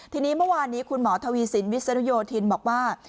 ทีนี้เมื่อวานนี้คุณหมอทวีสินวิศนุโยธินบอกว่า